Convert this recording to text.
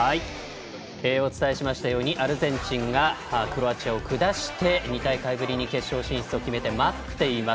お伝えしましたようにアルゼンチンがクロアチアを下して２大会ぶりに決勝進出を決めて待っています。